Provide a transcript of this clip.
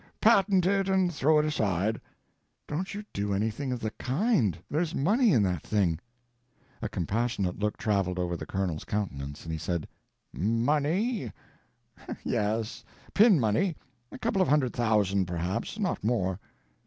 Patent it and throw it aside." "Don't you do anything of the kind. There's money in that thing." A compassionate look traveled over the Colonel's countenance, and he said: "Money—yes; pin money: a couple of hundred thousand, perhaps. Not more."